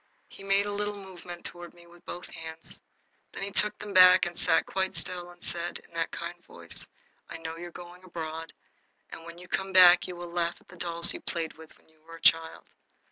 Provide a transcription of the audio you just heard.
He made a little movement toward me with both hands. Then he took them back and sat quite still and said, in that kind voice: "I know you are going abroad, and when you come back you will laugh at the dolls you played with when you were a child."